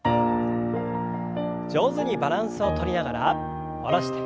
上手にバランスをとりながら下ろして。